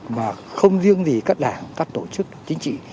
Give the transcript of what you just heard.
mà không riêng gì các đảng các tổ chức chính trị